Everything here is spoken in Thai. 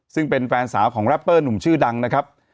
ซึ่งเป็นแฟนสาวของแรปเปอร์หนุ่มชื่อดังนะครับ